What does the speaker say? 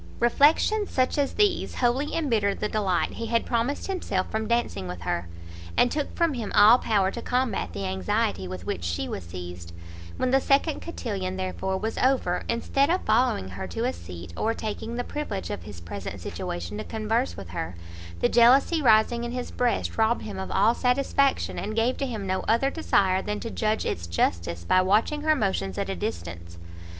Reflections such as these wholly embittered the delight he had promised himself from dancing with her, and took from him all power to combat the anxiety with which she was seized; when the second cotillon, therefore, was over, instead of following her to a seat, or taking the privilege of his present situation to converse with her, the jealousy rising in his breast robbed him of all satisfaction, and gave to him no other desire than to judge its justice by watching her motions at a distance.